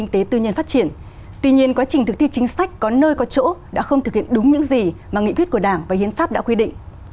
tuy nhiên quá trình thực thi chính sách có nơi có chỗ đã không thực hiện đúng những gì mà nghị quyết của đảng và hiến pháp đã quy định